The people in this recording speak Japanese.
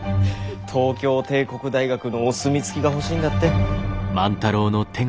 東京帝国大学のお墨付きが欲しいんだって。